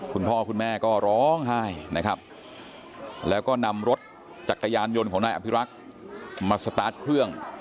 คุณพ่อคุณแม่ก็ร้องไห้นะครับแล้วก็นำรถจักรยานยนต์ของนายอภิรักษ์มาสตาร์ทเครื่อง